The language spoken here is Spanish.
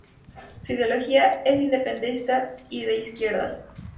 Su ideología es independentista y de izquierdas.